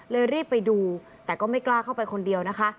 รีบไปดูแต่ก็ไม่กล้าเข้าไปคนเดียวนะคะ